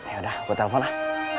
yaudah gue telpon lah